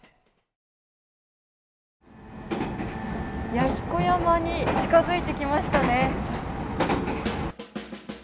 弥彦山に近づいてきましたね。